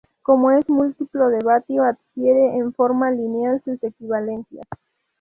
Como es múltiplo del vatio adquiere en forma lineal sus equivalencias.